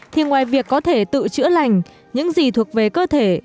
thì ngoài việc có thể tự chữa lành những gì thuộc về cơ thể